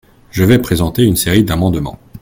Je vais présenter une série d’amendements.